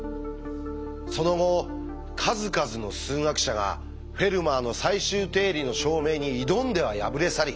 その後数々の数学者が「フェルマーの最終定理」の証明に挑んでは敗れ去り